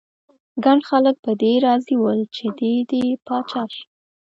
ګڼ خلک په دې راضي ول چې دی دې پاچا شي.